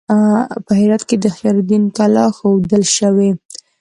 په هرات کې د اختیار الدین کلا ښودل شوې.